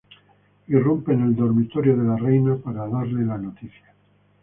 Irrumpe en el dormitorio de la reina para darle la noticia.